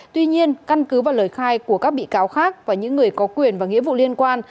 tuy nhiên căn cứ và lời khai của các bị cáo khác và những người có quyền và nghĩa vụ liên quan